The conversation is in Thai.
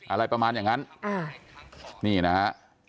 อะไรประมาณอย่างนั้นนี่นะฮะ